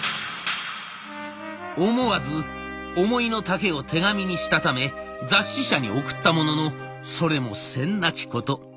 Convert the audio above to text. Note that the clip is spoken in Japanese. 思わず思いの丈を手紙にしたため雑誌社に送ったもののそれも詮なきこと。